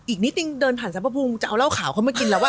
อีกนิดนึงเดินผ่านสรรพภูมิจะเอาเหล้าขาวเขามากินแล้วว่า